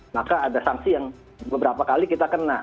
maka ada sanksi yang beberapa kali kita kena